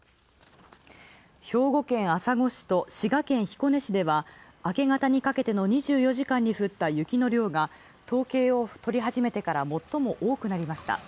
兵庫県朝来市と滋賀県彦根市では明け方にかけての２４時間に降った雪の量が統計を取り始めてからもっとも多くなりました。